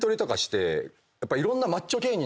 やっぱいろんな。